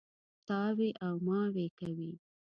تاوې او ماوې کوي.